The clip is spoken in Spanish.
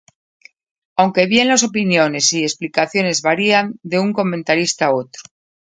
Aunque bien las opiniones y explicaciones varían de un comentarista a otro.